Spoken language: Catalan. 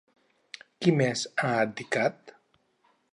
Qui més ha abdicat?